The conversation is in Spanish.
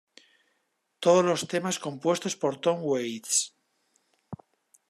Todos los temas compuestos por Tom Waits.